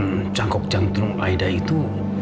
diaya keseluruhan jantung aida itu